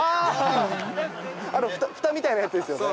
ふたみたいなやつですよね。